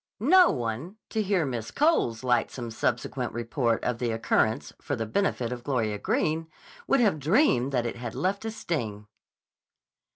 No one, to hear Miss Cole's lightsome subsequent report of the occurrence for the benefit of Gloria Greene, would have dreamed that it had left a sting.